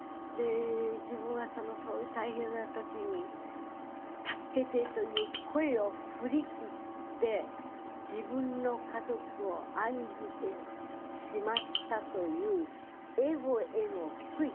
自分はそういう大変な時に「助けて」という声を振り切って自分の家族を案じてしまったというエゴへの悔い。